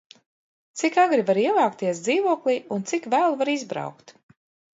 Cik agri var ievākties dzīvoklī un cik vēlu var izbraukt?